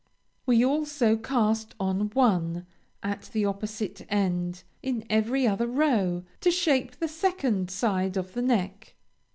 We also cast on one, at the opposite end, in every other row, to shape the second side of the neck.